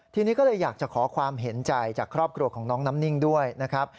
ทีนี้ก็เลยอยากจะขอความเห็นใจจากครอบครัวของน้องน้ำนิ่งด้วยนะครับ